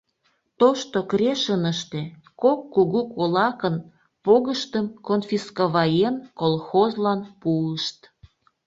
Тошто Крешыныште, кок кугу кулакын погыштым, конфисковаен, колхозлан пуышт.